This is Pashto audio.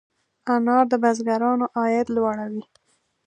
انار د بزګرانو عاید لوړوي.